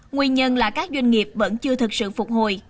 nguyên nhân là các doanh nghiệp vẫn chưa thực sự phục hồi